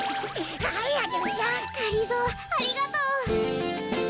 がりぞーありがとう。